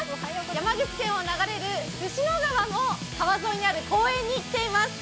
山口県を流れる椹野川の川沿いの公園に来ています。